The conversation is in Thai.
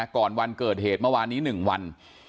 ก่อนวันเกิดเหตุเมื่อวานนี้๑วัน